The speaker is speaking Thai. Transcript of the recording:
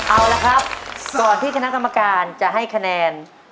เอาละครับก่อนที่คณะกรรมการจะให้คะแนน